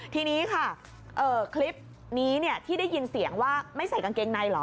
ทีนี้ค่ะคลิปนี้ที่ได้ยินเสียงว่าไม่ใส่กางเกงในเหรอ